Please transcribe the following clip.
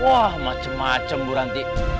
wah macem macem buranti